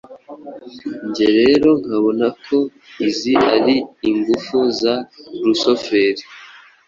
njye rero nkabona ko izi ari ingufu za rusoferi